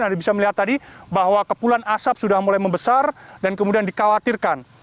anda bisa melihat tadi bahwa kepulan asap sudah mulai membesar dan kemudian dikhawatirkan